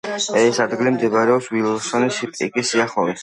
ეს ადგილი მდებარეობს ვილსონის პიკის სიახლოვეს.